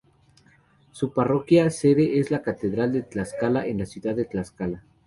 Su parroquia sede es la Catedral de Tlaxcala en la ciudad de Tlaxcala.